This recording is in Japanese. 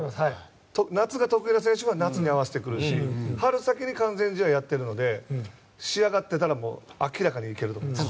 夏が得意な選手は夏に合わせてくるし春先に完全試合をやってるので仕上がってたら明らかにいけると思います。